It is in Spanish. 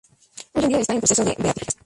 Hoy en día está en proceso de beatificación.